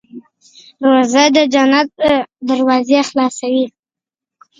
روژه د جنت دروازې خلاصوي.